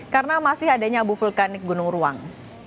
karena masih adanya bu vulkanik gunung ruang